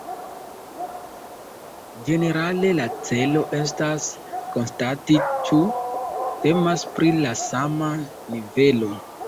Ĝenerale la celo estas konstati ĉu temas pri la sama nivelo.